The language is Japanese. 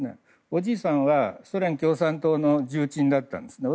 おじいさんはソ連共産党の重鎮だったんですね。